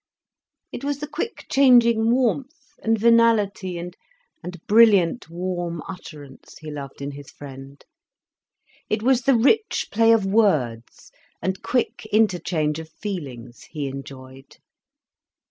It was the quick changing warmth and venality and brilliant warm utterance he loved in his friend. It was the rich play of words and quick interchange of feelings he enjoyed.